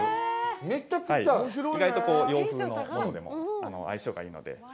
意外と洋風のものでも相性がいいので。